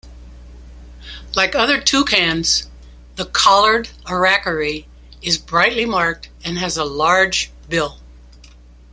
Like other toucans, the collared aracari is brightly marked and has a large bill.